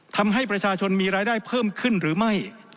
ทำให้ประชาชนมีรายได้เพิ่มขึ้นหรือไม่